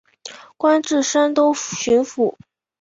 官至山东巡抚。